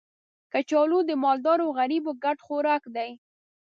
کچالو د مالدارو او غریبو ګډ خوراک دی